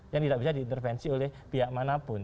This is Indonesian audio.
yang tidak bisa diintervensi oleh pihak manapun